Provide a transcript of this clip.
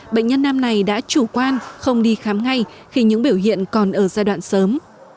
bệnh nhân nam này đã chủ quan không đi khám ngay khi những biểu hiện còn ở giai đoạn sớm